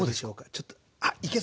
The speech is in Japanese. ちょっとあっいけそう。